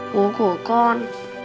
bố của con